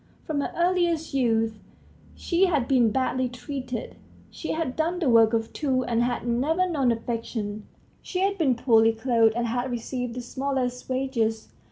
From her earliest youth she had been badly treated; she had done the work of two, and had never known affection; she had been poorly clothed and had received the smallest wages.